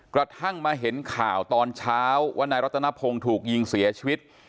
กระทั่งมาเห็นข่าวตอนเช้าว่านายรัตนพงศ์ถูกยิงเสียชีวิต